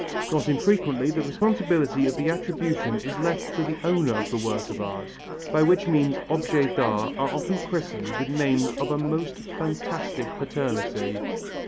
Not infrequently the responsibility of the attribution is left to the owner of the work of art, by which means objets d'art are often christened with names of a most fantastic paternity.